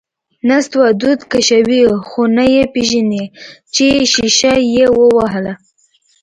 نستوه دود کشوي، خو نه یې پېژني چې شیشه یې ووهله…